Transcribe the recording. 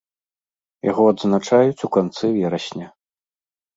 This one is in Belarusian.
Яго адзначаюць у канцы верасня.